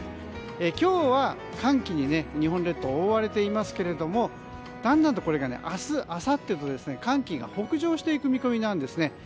今日は寒気に日本列島覆われていますがだんだんとこれが明日あさってと寒気が北上していく見込みなんですね。